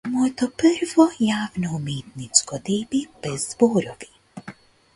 Моето прво јавно уметничко деби без зборови.